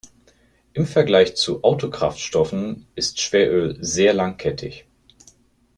Im Vergleich zu Autokraftstoffen ist Schweröl sehr langkettig.